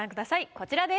こちらです。